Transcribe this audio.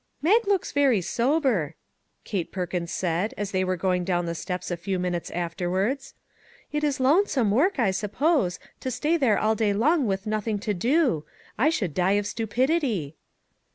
" Mag looks very sober," Kate Perkins said, as they were going down the steps a few min utes afterwards. " It is lonesome work, I sup pose, to stay there all day with nothing to do. I should die of stupidity."